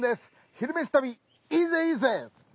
「昼めし旅」いいぜいいぜ！